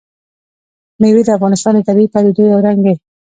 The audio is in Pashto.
مېوې د افغانستان د طبیعي پدیدو یو رنګ دی.